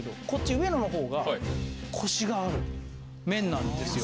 上野の方がコシがある麺なんですよ。